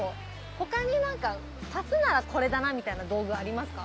他になんか足すならこれだなみたいな道具ありますか？